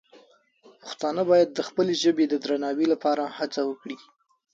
پښتانه باید د خپلې ژبې د درناوي لپاره هڅه وکړي.